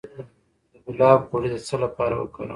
د ګلاب غوړي د څه لپاره وکاروم؟